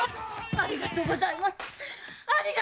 ありがとうございます‼